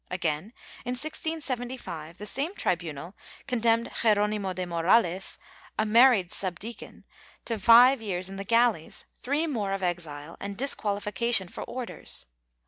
Again, in 1675, the same tribunal condemned Geronimo de Morales, a married subdeacon, to five years in the galleys, three more of exile and disqualification for orders.